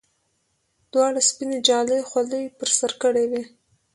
دواړو سپینې جالۍ خولۍ پر سر کړې وې.